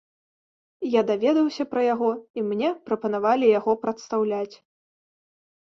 Я даведаўся пра яго, і мне прапанавалі яго прадстаўляць.